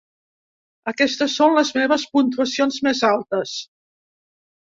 Aquestes són les meves puntuacions més altes.